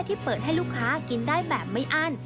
ที่เปิดให้ลูกค้ากินได้แบบไม่อั้น